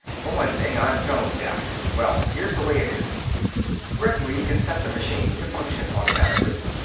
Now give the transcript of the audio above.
For one thing, I'm tone deaf. Well, here's the way it is. Gregory can set the machine to function automatically.